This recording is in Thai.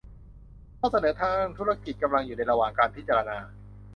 ข้อเสนอทางธุรกิจกำลังอยู่ในระหว่างการพิจารณา